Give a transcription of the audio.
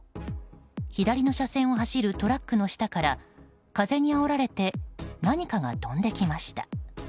左の車線を走るトラックの下から風にあおられて何かが飛んできました。